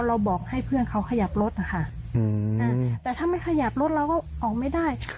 บอกให้เพื่อนเขาขยับรถนะคะแต่ถ้าไม่ขยับรถเราก็ออกไม่ได้